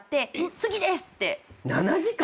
７時間？